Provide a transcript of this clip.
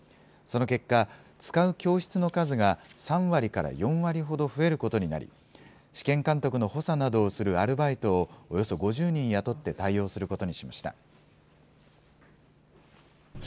その結果、使う教室の数が３割から４割ほど増えることになり、試験監督の補佐などをするアルバイトをおよそ５０人雇って対応することにしました。